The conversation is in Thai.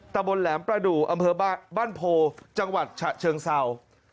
ตะบนแหลมประดูกอำเภอบ้านโพจังหวัดฉะเชิงเศร้า